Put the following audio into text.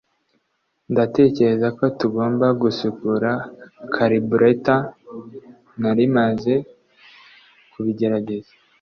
ndatekereza ko tugomba gusukura karburetor. nari maze kubigerageza